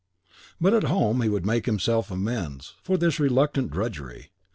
But at home he would make himself amends for this reluctant drudgery.